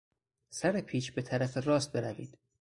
سر پیچ به طرف راست بروید.